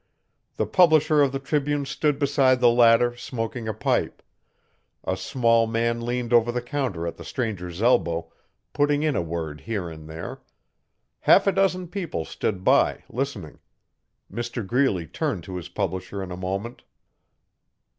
The publisher of the Tribune stood beside the latter, smoking a pipe; a small man leaned over the counter at the stranger's elbow, putting in a word here and there; half a dozen people stood by, listening. Mr Greeley turned to his publisher in a moment.